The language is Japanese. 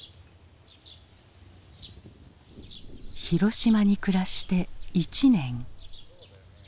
広島に暮らして１年。